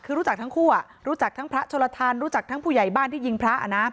คือรู้จักทั้งคู่รู้จักทั้งพระโชลทันรู้จักทั้งผู้ใหญ่บ้านที่ยิงพระ